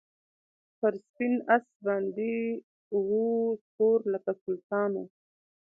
پر سپین آس باندي وو سپور لکه سلطان وو